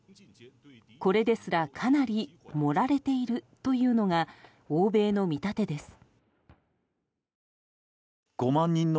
これですら、かなり盛られているというのが欧米の見立てです。